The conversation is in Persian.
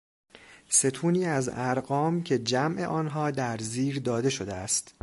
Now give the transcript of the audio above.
ستونی از ارقام که جمع آنها در زیر داده شده است